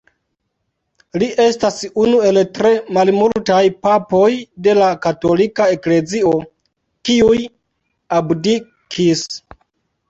Li estas unu el tre malmultaj papoj de la Katolika Eklezio, kiuj abdikis.